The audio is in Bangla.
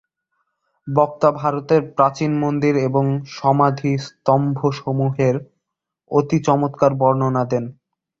বক্তা ভারতের প্রাচীন মন্দির এবং সমাধিস্তম্ভসমূহের অতি চমৎকার বর্ণনা দেন।